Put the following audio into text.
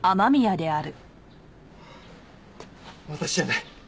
私じゃない。